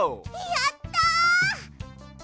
やった！